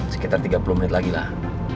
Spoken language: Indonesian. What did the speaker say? sekitar tiga puluh menit lagi lah